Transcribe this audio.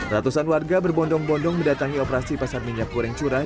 ratusan warga berbondong bondong mendatangi operasi pasar minyak goreng curah